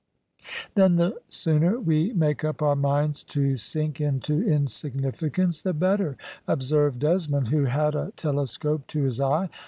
"Then the sooner we make up our minds to sink into insignificance the better," observed Desmond, who had a telescope to his eye.